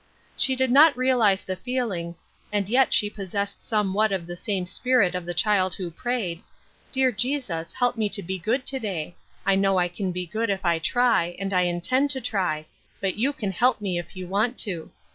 She did not realize the feeling, and yet '^he possessed somewhat of the same spirit of the oliild who prayed :" Dear Jesus, help me to be good to day. I know I can be good if I try, and I intend to try ; but you can help me if you want to